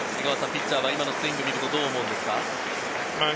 ピッチャーは今のスイングを見るとどう思うんですか？